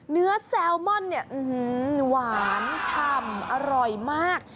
เนื้อแซลมอนหวานคำอร่อยมาก